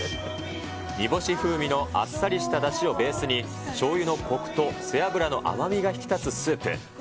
煮干し風味のあっさりしただしをベースに、しょうゆのこくと背脂の甘みが引き立つスープ。